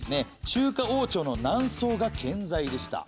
中華王朝の南宋が健在でした。